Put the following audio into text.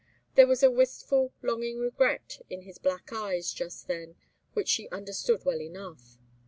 There was a wistful, longing regret in his black eyes just then which she understood well enough.